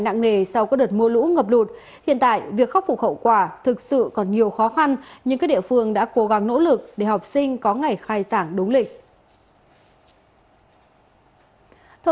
nặng nề sau các đợt mưa lũ ngập lụt hiện tại việc khắc phục khẩu quả thực sự còn nhiều khó khăn nhưng các địa phương đã cố gắng nỗ lực để học sinh có ngày khai giảng đúng lịch